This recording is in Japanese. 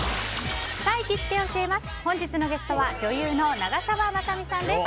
本日のゲストは女優の長澤まさみさんです。